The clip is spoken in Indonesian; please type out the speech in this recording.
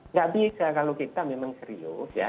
nggak bisa kalau kita memang serius ya